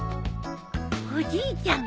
おじいちゃん